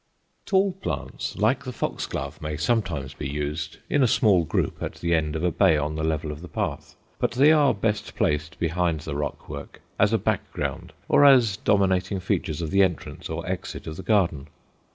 Tall plants, like the foxglove, may sometimes be used, in a small group, at the end of a bay on the level of the path; but they are best placed behind the rock work, as a background, or as dominating features of the entrance or exit of the garden.